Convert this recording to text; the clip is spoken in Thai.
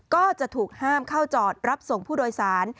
ก็จะถูกห้ามเข้าจอดรับส่งผู้โดยสาร